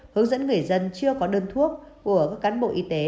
hướng dẫn người dân chưa có đơn thuốc của các cán bộ y tế